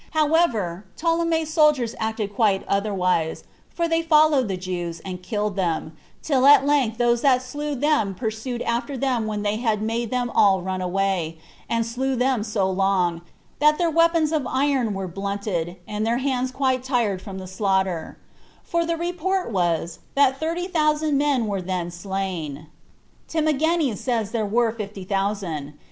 However, Ptolemy's soldiers acted quite otherwise; for they followed the Jews, and killed them, till at length those that slew them pursued after them when they had made them all run away, and slew them so long, that their weapons of iron were blunted, and their hands quite tired with the slaughter; for the report was, that thirty thousand men were then slain. Timagenes says they were fifty thousand.